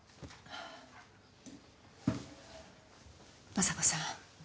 昌子さん